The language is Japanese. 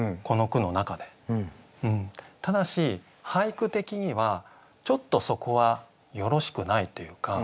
ただし俳句的にはちょっとそこはよろしくないというか。